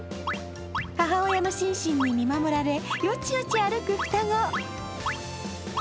母親のシンシンに見守られヨチヨチ歩く双子。